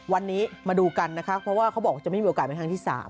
วันนี้มาดูกันนะคะเพราะว่าเขาบอกจะไม่มีโอกาสเป็นครั้งที่๓